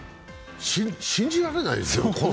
信じられないでしょう？